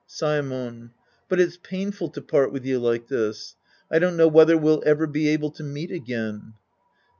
Saemon. But it's painful to part with you like this. I don't know whether we'll ever be able to meet again.